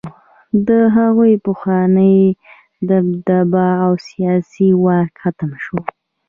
د هغوی پخوانۍ دبدبه او سیاسي واک ختم شو.